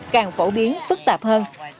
càng phổ biến phức tạp hơn